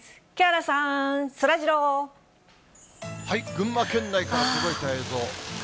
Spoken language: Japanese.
群馬県内から届いた映像。